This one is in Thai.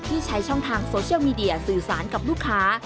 ใช้ช่องทางโซเชียลมีเดียสื่อสารกับลูกค้า